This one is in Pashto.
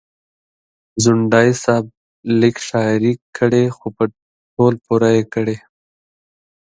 ځونډي صاحب لیږه شاعري کړې خو په تول پوره یې کړې.